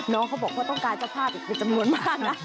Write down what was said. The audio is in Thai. เขาบอกว่าต้องการเจ้าภาพอีกเป็นจำนวนมากนะ